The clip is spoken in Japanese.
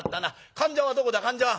患者はどこだ患者は」。